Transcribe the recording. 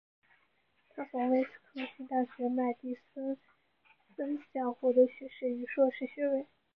他从威斯康辛大学麦迪逊分校获得学士与硕士学位。